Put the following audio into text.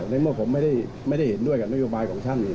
ในเมื่อผมไม่ได้เห็นด้วยกับนโยบายของท่าน